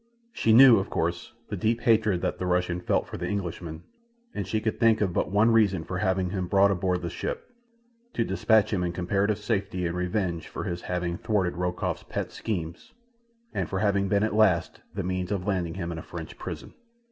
She knew, of course, the deep hatred that the Russian felt for the Englishman, and she could think of but one reason for having him brought aboard the ship—to dispatch him in comparative safety in revenge for his having thwarted Rokoff's pet schemes, and for having been at last the means of landing him in a French prison.